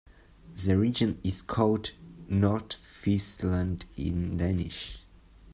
The region is called "Nordfrisland" in Danish.